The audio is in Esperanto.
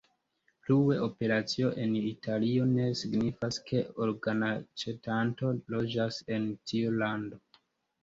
Plue, operacio en Italio ne signifas, ke organaĉetanto loĝas en tiu lando.